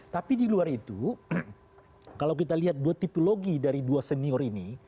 tapi di luar itu kalau kita lihat dua tipologi dari dua senior ini